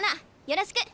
よろしく。